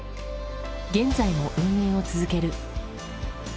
現在も運営を続ける。